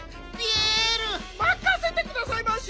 まかせてくださいまし。